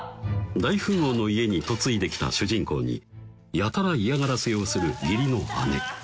大富豪の家に嫁いできた主人公にやたら嫌がらせをする義理の姉